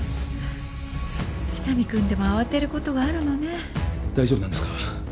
喜多見君でも慌てることがあるのね大丈夫なんですか？